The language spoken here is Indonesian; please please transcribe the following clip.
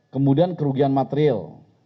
kemudian kerugian material